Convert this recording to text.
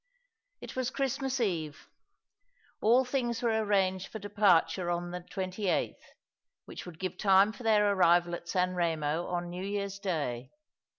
It was Christmas Eve. All things were arranged for departure on the 28th, which would give time for their arrival at San Pemo on New Year's Day.